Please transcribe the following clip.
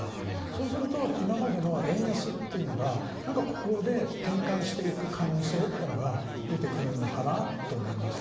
そうすると今までの円安がここで転換していく可能性が出てくるのかなと思います。